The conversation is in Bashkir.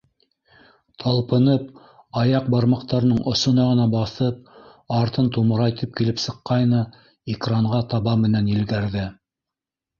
Талпынып, аяҡ бармаҡтарының осона ғына баҫып, артын тумырайтып килеп сыҡҡайны - экранға таба менән елгәрҙе.